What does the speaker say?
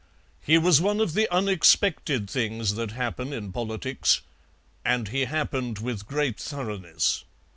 He was one of the unexpected things that happen in politics, and he happened with great thoroughness.